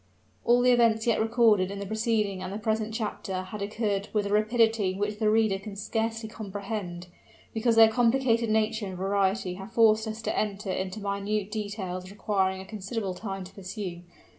All the events yet recorded in the preceding and the present chapter had occurred with a rapidity which the reader can scarcely comprehend, because their complicated nature and variety have forced us to enter into minute details requiring a considerable time to peruse.